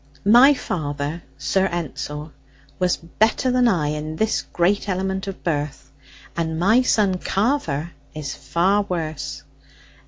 My father, Sir Ensor, was better than I in this great element of birth, and my son Carver is far worse.